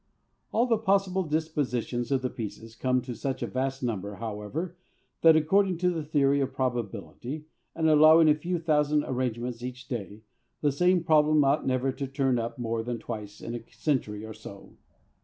All the possible dispositions of the pieces come to such a vast number, however, that, according to the theory of probability, and allowing a few thousand arrangements each day, the same problem ought never to turn up more than twice in a century or so.